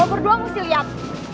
lo berdua mesti liat